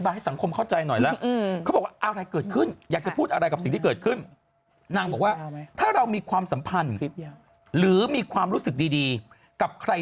สือสือสือสือสือสือสือสือสือสือสือ